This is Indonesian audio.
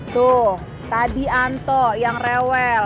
tuh tadi anto yang rewel